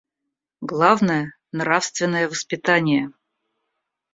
Главное — нравственное воспитание.